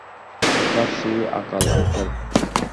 সাত শ্রী আকাল, আঙ্কেল!